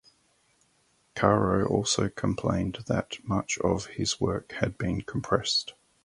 Caro also complained that much of his work had been compressed.